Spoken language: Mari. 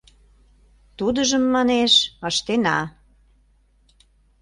— Тудыжым, манеш, ыштена.